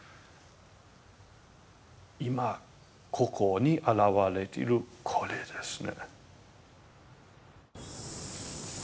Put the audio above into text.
今ここに現れているこれですね。